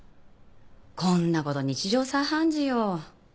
こんなこと日常茶飯事よ。